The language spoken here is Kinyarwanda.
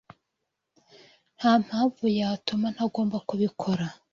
Nta mpamvu yatuma ntagomba kubikora.